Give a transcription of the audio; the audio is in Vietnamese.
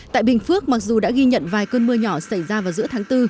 tại bình phước mặc dù đã ghi nhận vài cơn mưa nhỏ xảy ra vào giữa tháng bốn